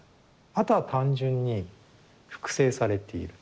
あとは単純に複製されている。